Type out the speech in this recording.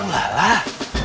oh lah lah